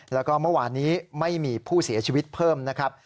แล้วก็เมื่อวานนี้ไม่มีผู้เสียชีวิตเพิ่มนะครับ